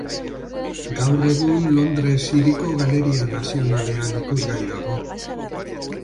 Gaur egun Londres hiriko Galeria Nazionalean ikusgai dago.